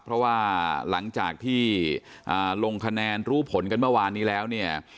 เพราะว่าหลังจากที่ลงคะแนนรู้ผลกันเมื่อวานนี้แล้วเนี่ย